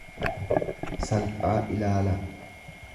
salphaa ilaalaa.